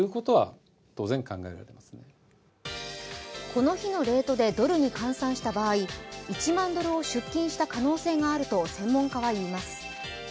この日のレートでドルに換算した場合、１万ドルを出金した可能性があると専門家は語ります。